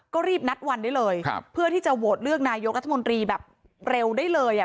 ก็รีบนัดวันได้เลยครับเพื่อที่จะโหวตเลือกนายกรัฐมนตรีแบบเร็วได้เลยอ่ะ